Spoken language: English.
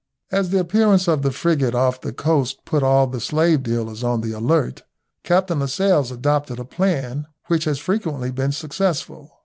As the appearance of the frigate off the coast put all the slave dealers on the alert, Captain Lascelles adopted a plan which has frequently been successful.